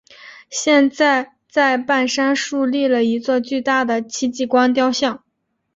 现在在半山竖立了一座巨大的戚继光雕像。